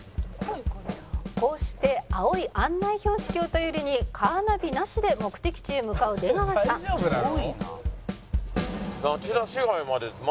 「こうして青い案内標識を頼りにカーナビなしで目的地へ向かう出川さん」